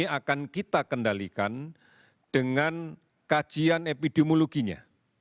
ini akan kita kendalikan dengan kajian epidemiologinya